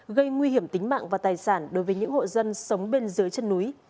gây nguy hiểm tính mạng và tài sản đối với những hộ dân sống bên dưới chân núi